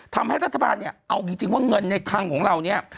ทำให้รัฐบาลเนี่ยเอาจริงว่าเงินในคลังของเราเนี่ย